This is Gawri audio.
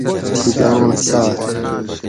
تھِلاں ساٞل